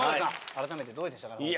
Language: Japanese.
改めてどうでしたか香港は。